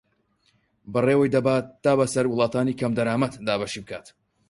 بەڕێوەی دەبات تا بەسەر وڵاتانی کەمدەرامەت دابەشی بکات